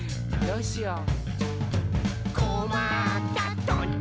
「どうしよう？」